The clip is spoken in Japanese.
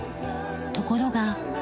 ところが。